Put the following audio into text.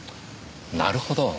なるほど。